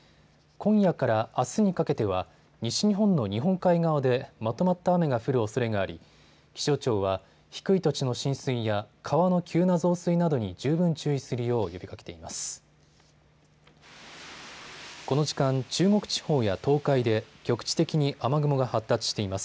今夜からあすにかけては西日本の日本海側でまとまった雨が降るおそれがあり気象庁は低い土地の浸水や川の急な増水などに十分注意するよう呼びかけています。